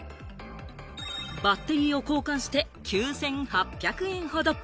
バッテリーを交換して９８００円ほど。